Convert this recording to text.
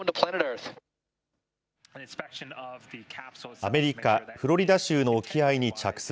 アメリカ・フロリダ州の沖合に着水。